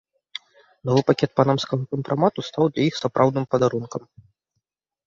Новы пакет панамскага кампрамату стаў для іх сапраўдным падарункам.